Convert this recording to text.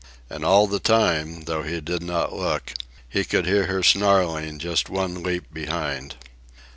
And all the time, though he did not look, he could hear her snarling just one leap behind.